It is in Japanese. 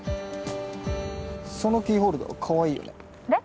そのキーホルダーかわいいよね。